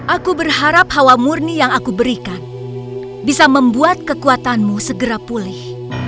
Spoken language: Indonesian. aku berharap hawa murni yang aku berikan bisa membuat kekuatanmu segera pulih